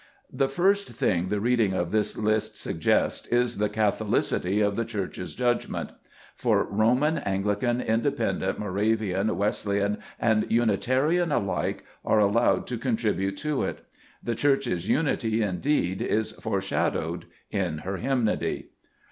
The first thing the reading of this list suggests is the catholicity of the Church's judgment ; for Roman, Anglican, Independent, Moravian, Wesleyan, and Unitarian, alike, are allowed to contribute to it. The Church's unity, in deed, is foreshadowed in her hymnody.